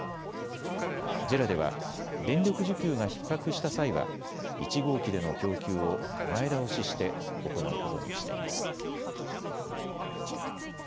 ＪＥＲＡでは電力需給がひっ迫した際は１号機での供給を前倒しして行うことにしています。